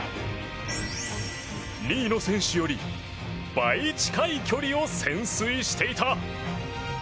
２位の選手より倍近い距離を潜水していた。